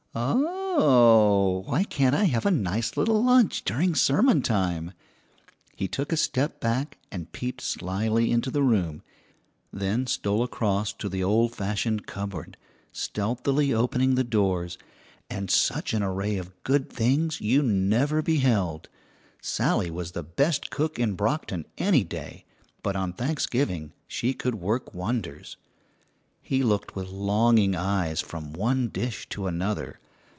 "Oh! Why can't I have a nice little lunch during sermon time?" He took a step back and peeped slyly into the room; then stole across to the old fashioned cupboard, stealthily opening the doors, and such an array of good things you never beheld! Sally was the best cook in Brockton any day, but on Thanksgiving she could work wonders. He looked with longing eyes from one dish to another.